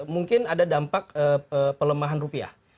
mungkin ada dampak pelemahan rupiah